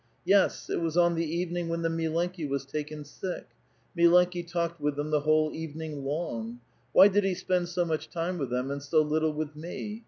— Yes, it was on the even iu^ when the m^e^iAi was taken sick — Milenki talked with the no the whole evening long. Why did he s[)end so much tiaae with them and so little with me